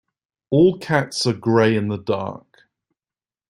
All cats are grey in the dark.